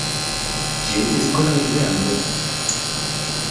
J’ai été scolarisé à Londres.